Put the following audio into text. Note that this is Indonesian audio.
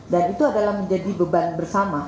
dan itu adalah menjadi beban bersama